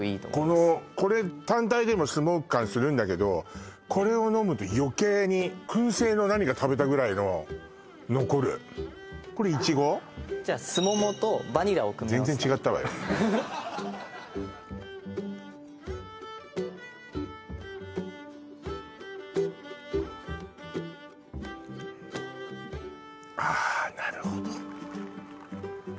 このこれ単体でもスモーク感するんだけどこれを飲むとよけいにくん製の何か食べたぐらいの残るこれイチゴ？そちらすももとバニラを組み合わせた全然違ったわよああ